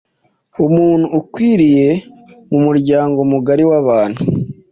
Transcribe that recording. umuntu ukwiriye mu muryango mugari w’abantu